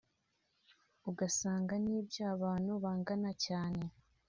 ugasanga nibyo abantu bagana cyane